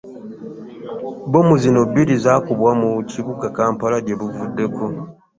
Bbomu zino ebbiri zaakubwa mu kibuga Kampala gye buvuddeko